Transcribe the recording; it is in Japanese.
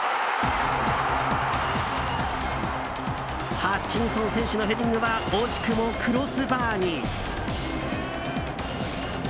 ハッチンソン選手のヘディングは惜しくもクロスバーに。